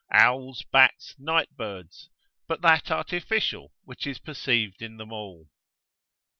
owls, bats, nightbirds, but that artificial, which is perceived in them all.